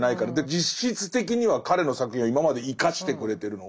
実質的には彼の作品を今まで生かしてくれてるのは読者だから。